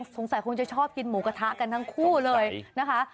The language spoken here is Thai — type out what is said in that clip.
สงสัยคงจะชอบกินหมูกระทะกันทั้งคู่เลยนะคะ